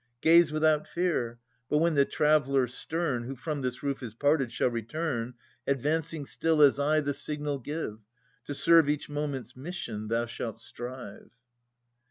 Gaze without fear. But when the traveller stern. Who from this roof is parted, shall return, Advancing still as I the signal give, To serve each momenfs mission thou shall strive.